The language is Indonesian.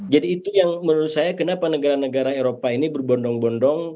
jadi itu yang menurut saya kenapa negara negara eropa ini berbondong bondong